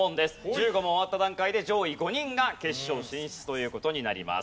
１５問終わった段階で上位５人が決勝進出という事になります。